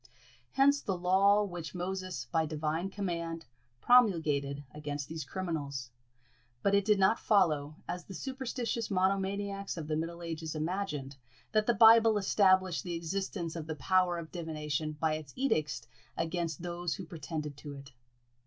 Hence the law which Moses, by Divine command, promulgated against these criminals; but it did not follow, as the superstitious monomaniacs of the middle ages imagined, that the Bible established the existence of the power of divination by its edicts against those who pretended to it.